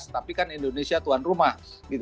tapi kan indonesia tuan rumah